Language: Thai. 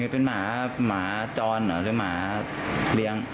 เป็นหมาจรหรือหมาเลี้ยง